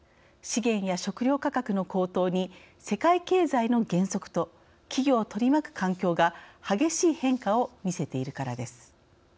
資源や食糧価格の高騰に世界経済の減速と企業を取り巻く環境が激しい変化を見せているからです。